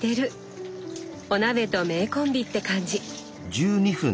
お鍋と名コンビって感じ。